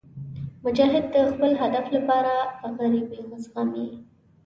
مجاهد د خپل هدف لپاره غریبۍ زغمي.